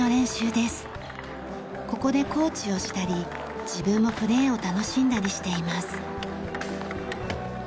ここでコーチをしたり自分もプレーを楽しんだりしています。